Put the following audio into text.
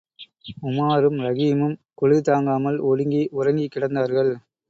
உமாரும், ரஹீமும், குளிர்தாங்காமல், ஒடுங்கி உறங்கிக் கிடந்தார்கள்.